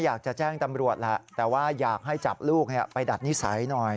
อยากจะแจ้งตำรวจแหละแต่ว่าอยากให้จับลูกไปดัดนิสัยหน่อย